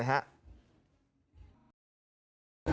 ลองฟังผู้บริหารเขาเล่าหน่อยครับ